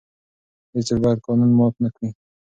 هیڅوک باید قانون مات نه کړي.